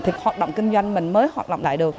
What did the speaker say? thì hoạt động kinh doanh mình mới hoạt động lại được